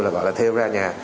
là gọi là thêu ra nhà